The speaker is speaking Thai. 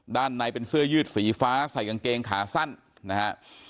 ด้านในเป็นเสื้อยืดสีฟ้าใส่กางเกงขาสั้นนะฮะ